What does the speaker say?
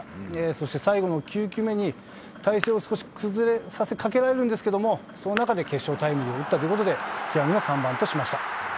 そして最後の９球目に、体勢を少し崩れさせかけられるんですけれども、その中で決勝タイムリーを打ったということで、極みの３番としました。